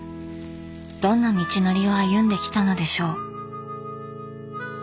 どんな道のりを歩んできたのでしょう。